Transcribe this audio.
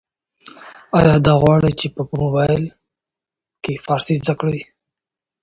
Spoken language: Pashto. ایا ته غواړې چي په موبایل کي فارسي زده کړې؟